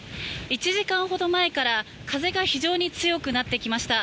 １時間ほど前から風が非常に強くなってきました。